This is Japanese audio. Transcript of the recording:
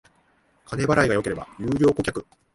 金払いが良ければ優良顧客